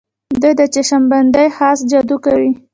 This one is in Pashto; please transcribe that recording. دوی د چشم بندۍ خاص جادو کوي.